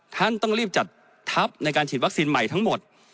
ท่านต้องรีบจัดทัพในการฉีดวัคซีนใหม่ทั้งหมด